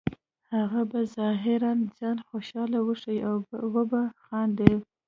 هغه به ظاهراً ځان خوشحاله وښیې او وبه خاندي